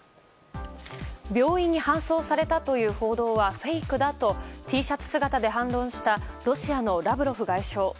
病院に搬送されたという報道はフェイクだとＴシャツ姿で反論したロシアのラブロフ外相。